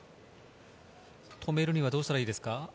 止めるにはどうしたらいいですか？